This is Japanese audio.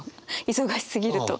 忙しすぎると。